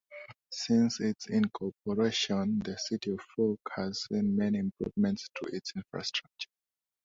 Since its incorporation, the City of Fouke has seen many improvements to its infrastructure.